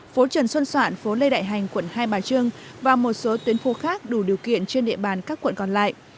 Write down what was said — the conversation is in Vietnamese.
phố trần xuân soạn phố lê đại hành quận hai bà trưng và một số tuyến phố khác đủ điều kiện trên địa bàn các quận còn lại